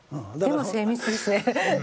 でも精密ですね。